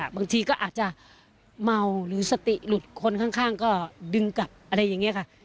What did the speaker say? บางทีก็อาจจะเมาหรือสติหลุดคนข้างก็ดึงกลับอะไรอย่างนี้ค่ะ